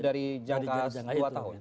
dari jangka dua tahun